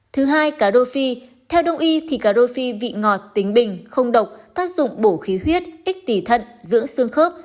thứ hai cá rô phi theo đồng ý thì cá rô phi vị ngọt tính bình không độc tác dụng bổ khí huyết ít tỉ thận dưỡng xương khớp